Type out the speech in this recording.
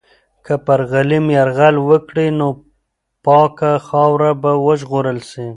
که پر غلیم یرغل وکړي، نو پاکه خاوره به وژغورل سي.